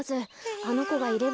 あのこがいれば。